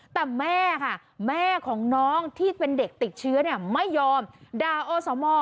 แต่แม่ค่ะแม่ของน้องที่เป็นเด็กติดเชื้อไม่ยอมด่าอสม